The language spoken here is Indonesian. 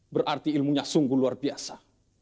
berarti ilmunya sungguh luar biasa